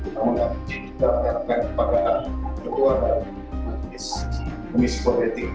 kami lakukan keberanian kebetulan dan misi politik